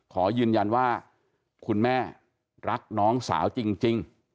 ขอยืนยันว่าคุณแม่รักน้องสาวจริง